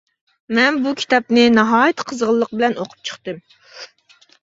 مەن بۇ كىتابنى ناھايىتى قىزغىنلىق بىلەن ئوقۇپ چىقتىم.